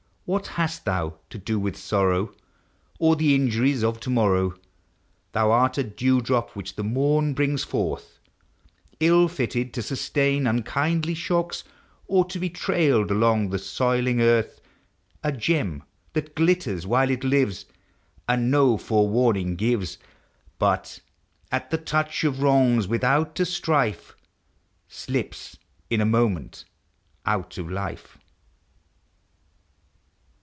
What hast thou to do with sorrow, Or the injuries of to morrow? Thou art a dew drop, which the morn brings forth, Digitized by Googld ABOUT CHILDREN. 41 111 fitted to sustain unkindly shocks, Or to be trailed along the soiling earth; A gem that glitters while it lives, And no forewarning gives, liut, at the touch of wrongs, without a strife, Slips in a moment out of life.